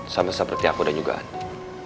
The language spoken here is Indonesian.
sama seperti aku dan juga adik